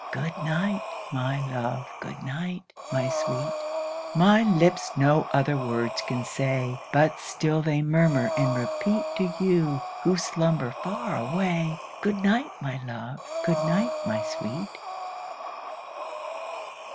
Good night, my love! good night, my sweet! My lips no other words can say, But still they murmur and repeat To you, who slumber far away, Good night, my love! good night, my sweet!